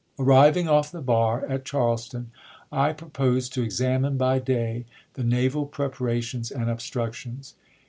.. Arriving off the bar [at Charleston], I propose to examine by day the naval prep arations and obstructions.